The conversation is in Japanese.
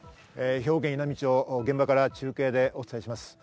兵庫県稲美町の現場から中継でお伝えします。